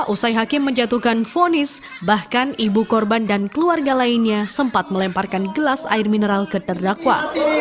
usai hakim menjatuhkan fonis bahkan ibu korban dan keluarga lainnya sempat melemparkan gelas air mineral ke terdakwa